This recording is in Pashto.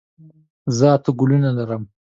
زه اته ګلونه لرم.